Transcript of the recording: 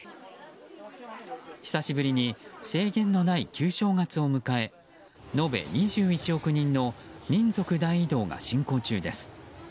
久しぶりに制限のない旧正月を迎え延べ２１億人の民族大移動が進行中です。